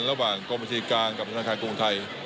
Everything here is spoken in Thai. ระหว่างกรมบัญชีกลางกับธนาคารกรุงไทย